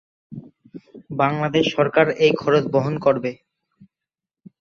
বাংলাদেশ সরকার এই খরচ বহন করবে।